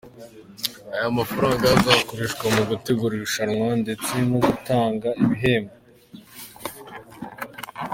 aya mafaranga akazakoreshwa mu gutegura iri rushanwa ndetse no gutanga ibihembo.